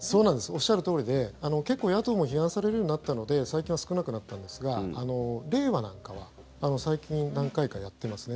おっしゃるとおりで結構、野党も批判されるようになったので最近は少なくなったんですがれいわなんかは最近、何回かやってますね。